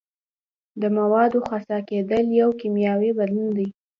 د موادو خسا کیدل یو کیمیاوي بدلون دی.